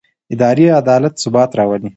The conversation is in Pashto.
اداري عدالت ثبات راولي